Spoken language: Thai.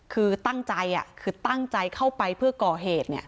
คือตั้งใจเข้าไปเพื่อก่อเหตุ